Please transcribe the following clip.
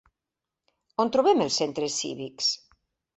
On trobem els centres cívics?